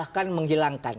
dia tidak bisa menghilangkan